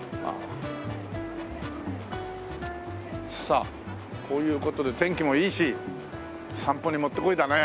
さあこういう事で天気もいいし散歩にもってこいだね。